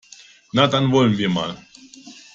Na, dann wollen wir mal!